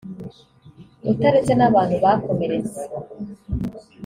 utaretse n’abantu bakomeretse